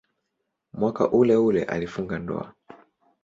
Mwaka uleule alifunga ndoa.